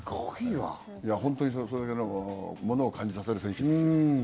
そういうものを感じさせる選手です。